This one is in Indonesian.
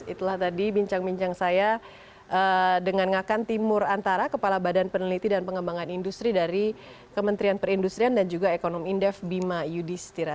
itulah tadi bincang bincang saya dengan ngakan timur antara kepala badan peneliti dan pengembangan industri dari kementerian perindustrian dan juga ekonomi indef bima yudhistira